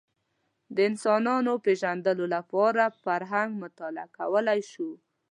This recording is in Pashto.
د انسانانو پېژندلو لپاره فرهنګ مطالعه کولی شو